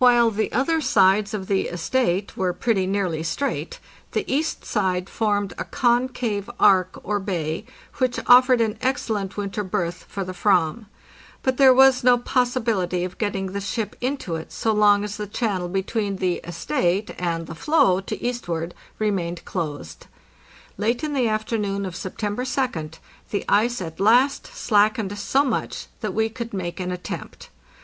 While the other sides of the "estate '' were pretty nearly straight, the east side formed a concave arc or bay, which offered an excellent winter berth for the /vam. But there was no possibility of getting the ship into it so long as the channel be tween the ' estate" and the floe to eastward remained closed. Late in the afternoon of September 2d the ice at last slackened so much that we could make an attempt.